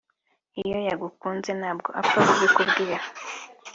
Iyo yagukunze ntabwo apfa kubikubwira